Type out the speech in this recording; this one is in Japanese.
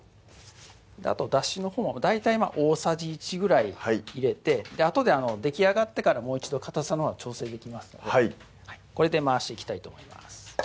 あとだしのほうも大体大さじ１ぐらい入れてあとでできあがってからもう一度かたさのほうは調整できますのでこれで回していきたいと思います